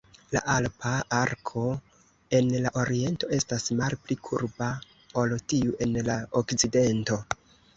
La alpa arko en la oriento estas malpli kurba ol tiu en la okcidento.